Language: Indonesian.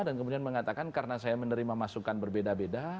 dan kemudian mengatakan karena saya menerima masukan berbeda beda